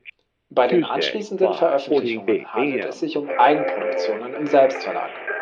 Bei den anschließenden Veröffentlichungen handelt es sich um Eigenproduktionen im Selbstverlag.